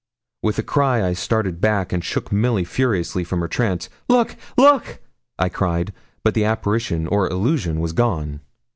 With a cry, I started back, and shook Milly furiously from her trance. 'Look! look!' I cried. But the apparition or illusion was gone.